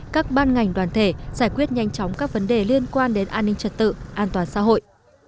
các ban ngành đoàn thể giải quyết nhanh chóng các vấn đề liên quan đến an ninh trật tự an toàn xã hội